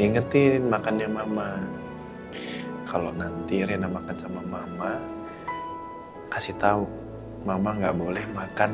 ingetin makannya mama kalau nanti riana makan sama mama kasih tahu mama nggak boleh makan